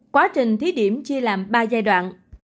quá trình thí điểm chia làm ba giai đoạn